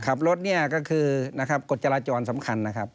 ขับรถก็คือกฎจราจรสำคัญนะครับ